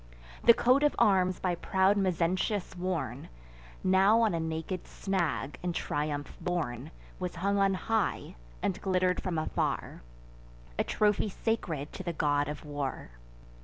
The coat of arms by proud Mezentius worn, Now on a naked snag in triumph borne, Was hung on high, and glitter'd from afar, A trophy sacred to the God of War.